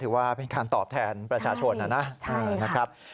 ถือว่าเป็นการตอบแทนประชาชนนะครับ